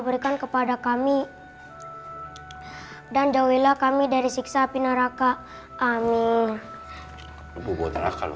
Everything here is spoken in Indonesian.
berikan kepada kami dan jauhilah kami dari siksa api neraka amin bubuk terang kalau